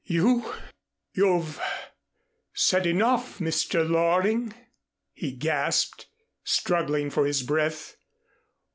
"You you've said enough, Mr. Loring," he gasped, struggling for his breath.